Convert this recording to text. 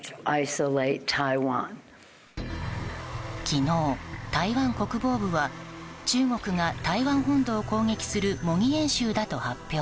昨日、台湾国防部は中国が台湾本土を攻撃する模擬演習だと発表。